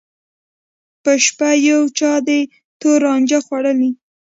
په شپو یو چا دي تور رانجه خوړلي